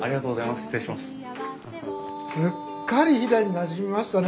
すっかり飛騨になじみましたね。